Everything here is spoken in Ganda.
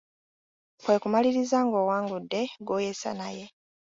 Kwe kumaliriza ng’owangudde gw’oyesa naye.